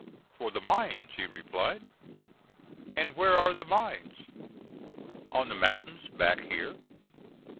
"For the mines," he replied. "And where are the mines?" "On the mountains back here."